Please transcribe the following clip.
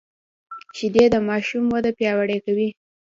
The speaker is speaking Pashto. شیدې د ماشوم وده پیاوړې کوي